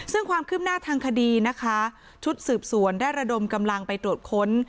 ซึ่งความคืบหน้าทางคดีนะคะชุดสืบสวนได้ระดมกำลังไปตรวจค้น